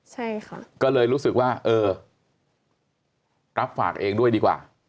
ใช่ค่ะก็เลยรู้สึกว่าเออรับฝากเองด้วยดีกว่า